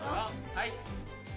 はい！